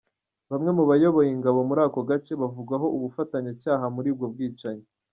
Bamwe mu bayoboye ingabo muri ako gace, bavugwaho ubufatanyacyaha muri ubwo bwicanyi.